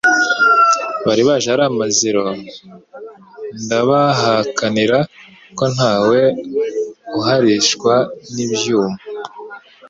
Bali baje ali amaziro, ndabahakanira ko ntawe uhalishwa n'ibyuma,